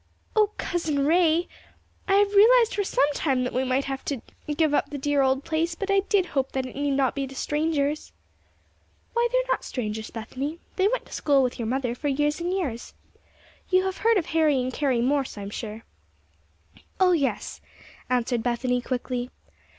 O Cousin Ray! I have realized for some time that we might have to give up the dear old place; but I did hope that it need not be to strangers." "Why, they are not strangers, Bethany. They went to school with your mother for years and years. You have heard of Harry and Carrie Morse, I am sure." "O yes," answered Bethany, quickly.